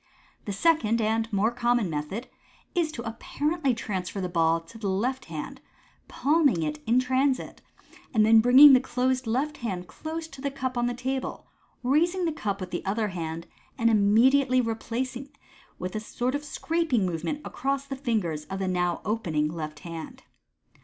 The second and more common method is to apparently transfer the ball to the left hand, palming it in the transit, and then bringing the closed left hand close to the cup on the table, raise the cup with the other hand, and immediately replace it with a sort of scraping movement across the fingers of the now opening left hand.